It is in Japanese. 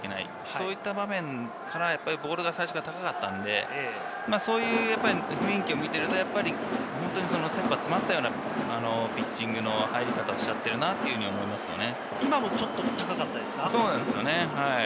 そういう場面からボールが最初から高かったので、そういう雰囲気を見ていると、切羽詰ったようなピッチングの入り方をしちゃっているなというふうに思いますね。